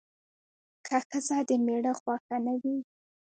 که ښځه د میړه خوښه نه وي